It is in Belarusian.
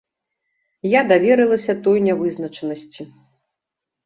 Я даверылася той нявызначанасці.